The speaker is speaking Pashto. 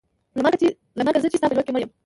له مرګه زه چې ستا په ژوند کې مړه یم.